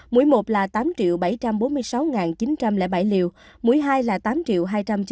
mũi một là tám bảy trăm bốn mươi sáu chín trăm linh bảy liều mũi hai là tám hai trăm chín mươi năm hai mươi một liều